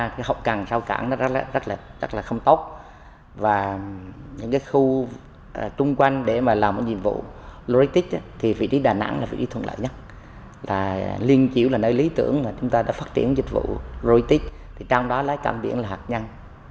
trong đó lấy cảng biển là hạt nhân